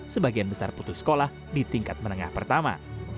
sebagian besar putus sekolah di tingkat menengah pertama